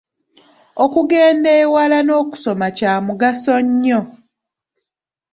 Okugenda ewala n’okusoma kya mugaso nnyo.